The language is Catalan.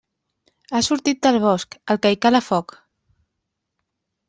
Ha sortit del bosc, el que hi cala foc.